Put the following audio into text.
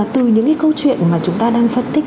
từ những cái câu chuyện mà chúng ta đang phân tích